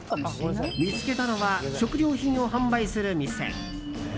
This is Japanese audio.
見つけたのは食料品を販売する店。